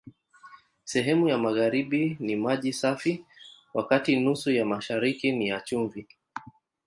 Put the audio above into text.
Sehemu ya magharibi ni maji safi, wakati nusu ya mashariki ni ya chumvi.